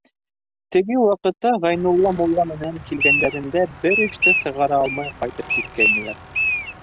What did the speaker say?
Теге ваҡытта Ғәйнулла мулла менән килгәндәрендә бер эш тә сығара алмай ҡайтып киткәйнеләр.